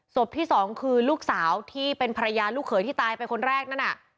ที่สองคือลูกสาวที่เป็นภรรยาลูกเขยที่ตายไปคนแรกนั่นน่ะ